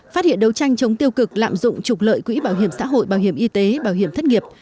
phát hiện đấu tranh chống tiêu cực lạm dụng trục lợi quỹ bảo hiểm xã hội bảo hiểm y tế bảo hiểm thất nghiệp